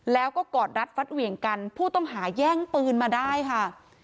แล้วก็กอดรัดฟัดเหวี่ยงกันผู้ต้องหาแย่งปืนมาได้ค่ะ